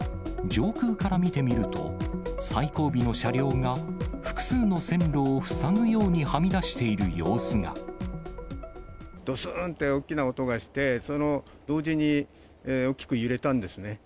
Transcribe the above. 上空から見てみると、最後尾の車両が複数の線路を塞ぐようにはみどすーんって大きな音がして、その同時に、大きく揺れたんですね。